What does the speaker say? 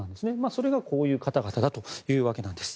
それがこういう方々だというわけなんです。